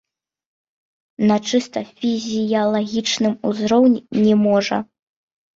На чыста фізіялагічным узроўні не можа.